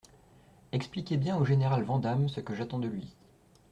Expliquez bien au général Vandamme ce que j'attends de lui.